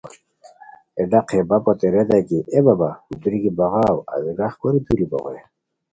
ہے ڈاق ہے بپوتین ریتائے کی اے بابا دوری کی بغاؤ ازگراہ کوری دوری بوغے